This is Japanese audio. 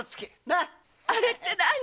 ナ⁉“あれ”って何？